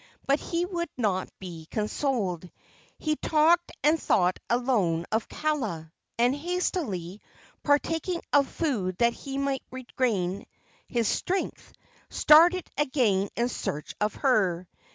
But he would not be consoled. He talked and thought alone of Kaala, and, hastily partaking of food that he might retain his strength, started again in search of her.